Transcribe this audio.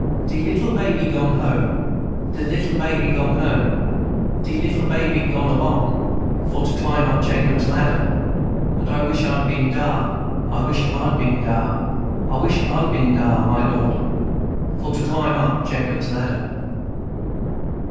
"De little baby gone home, De little baby gone home, De little baby gone along, For to climb up Jacob's ladder. And I wish I'd been dar, I wish I'd been dar, I wish I'd been dar, my Lord, For to climb up Jacob's ladder."